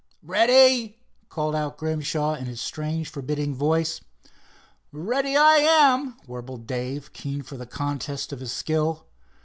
"Ready," called out Grimshaw, in his strange forbidding voice. "Ready I am," warbled Dave, keen for the contest of his skill.